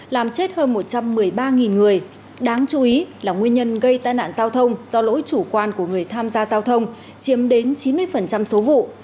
làm chết hơn một trăm một mươi ba người đáng chú ý là nguyên nhân gây tai nạn giao thông do lỗi chủ quan của người tham gia giao thông chiếm đến chín mươi số vụ